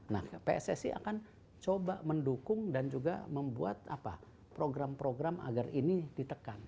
nah pssi akan coba mendukung dan juga membuat program program agar ini ditekan